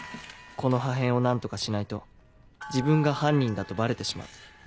この破片を何とかしないと自分が犯人だとバレてしまう。